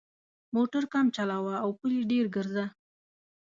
موټر کم چلوه او پلي ډېر ګرځه.